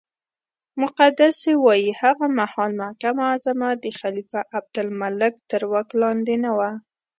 مقدسي وایي هغه مهال مکه معظمه د خلیفه عبدالملک تر واک لاندې نه وه.